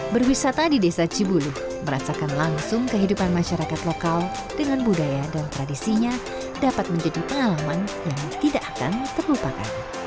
berwisata di desa cibulu merasakan langsung kehidupan masyarakat lokal dengan budaya dan tradisinya dapat menjadi pengalaman yang tidak akan terlupakan